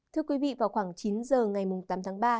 thưa quý vị vào khoảng chín giờ ngày tám tháng ba